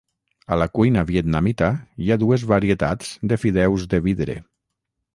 A la cuina vietnamita, hi ha dues varietats de fideus de vidre.